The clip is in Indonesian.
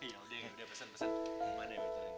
yaudah udah pesen pesen